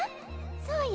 そうよ。